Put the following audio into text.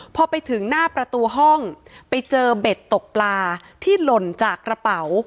พอไปถึงหน้าประตูห้องไปเจอเบ็ดตกปลาที่หล่นจากกระเป๋า